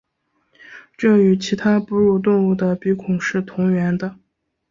这与其他哺乳动物的鼻孔是同源的。